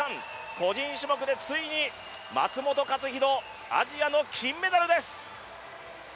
個人種目でついに松元克央アジアの金メダルです。